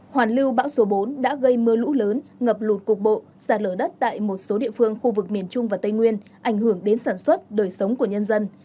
hoàn lưu bão số bốn đã gây mưa lũ lớn ngập lụt cục bộ sạt lở đất tại một số địa phương khu vực miền trung và tây nguyên ảnh hưởng đến sản xuất đời sống của nhân dân